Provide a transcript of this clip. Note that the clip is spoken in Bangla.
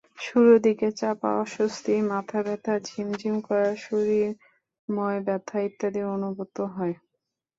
শুরুর দিকে চাপা অস্বস্তি, মাথাব্যথা, ঝিমঝিম করা, শরীরময় ব্যথা ইত্যাদি অনুভূত হয়।